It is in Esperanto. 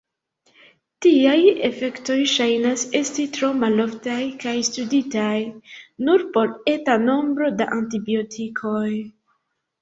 Tiaj efektoj ŝajnas esti tro maloftaj kaj studitaj nur por eta nombro da antibiotikoj.